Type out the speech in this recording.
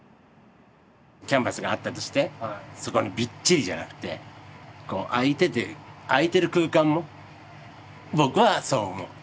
キャンバスがあったとしてそこにびっちりじゃなくてこう空いてて空いてる空間も僕はそう思う。